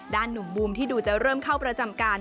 หนุ่มบูมที่ดูจะเริ่มเข้าประจำการ